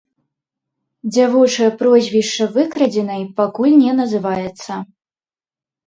Дзявочае прозвішча выкрадзенай пакуль не называецца.